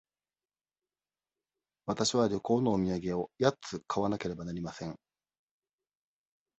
わたしは旅行のお土産を八つ買わなければなりません。